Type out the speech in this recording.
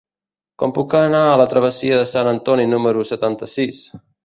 Com puc anar a la travessia de Sant Antoni número setanta-sis?